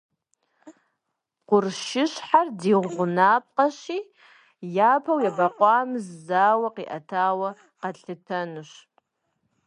Къуршыщхьэр ди гъунапкъэщи, япэу ебакъуэм зауэ къиӏэтауэ къэтлъытэнущ.